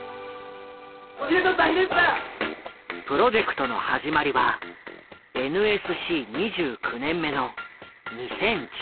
プロジェクトの始まりはＮＳＣ２９年目の２０１１年。